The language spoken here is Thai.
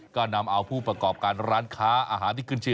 ก็นำเอาผู้ประกอบการร้านค้าอาหารที่ขึ้นชื่อ